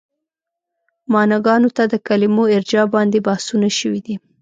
معناګانو ته د کلمو ارجاع باندې بحثونه شوي دي.